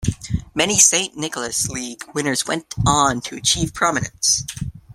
Many "St. Nicholas League" winners went on to achieve prominence.